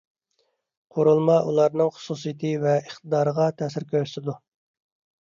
قۇرۇلما ئۇلارنىڭ خۇسۇسىيىتى ۋە ئىقتىدارىغا تەسىر كۆرسىتىدۇ.